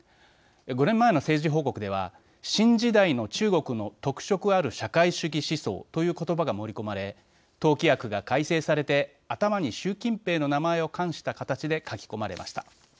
５年前の政治報告では新時代の中国の特色ある社会主義思想という言葉が盛り込まれ、党規約が改正されて頭に習近平の名前を冠した形で書き込まれました。